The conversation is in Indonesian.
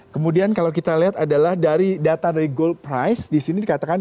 kemudian kalau kita lihat adalah dari data dari gold price di sini dikatakan